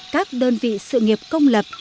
các đơn vị sự nghiệp công lập